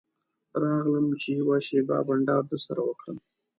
راغلم چې یوه شېبه بنډار درسره وکړم.